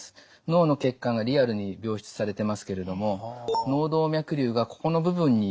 脳の血管がリアルに描出されていますけれども脳動脈瘤がここの部分にできています。